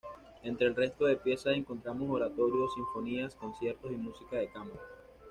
Entre el resto de piezas encontramos oratorios, sinfonías, conciertos y música de cámara.